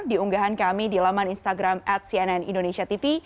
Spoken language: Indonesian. diunggahan kami di laman instagram at cnnindonesiatv